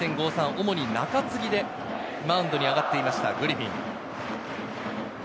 主に中継ぎでマウンドに上がっていました、グリフィン。